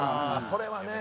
それはね。